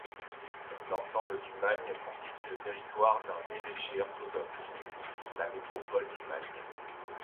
L'ensemble du Magne constitue le territoire d'un évêché orthodoxe, la métropole du Magne.